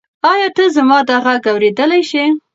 ایا ته زما دا غږ اورېدلی شې؟